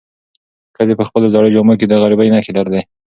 ښځې په خپلو زړو جامو کې د غریبۍ نښې لرلې.